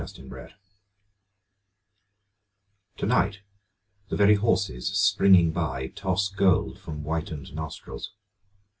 WINTER EVENING To night the very horses springing by Toss gold from whitened nostrils.